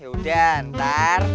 ya udah ntar